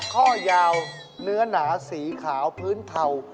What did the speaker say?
ข้อยาวเนื้อหนาสีขาวพื้นเทา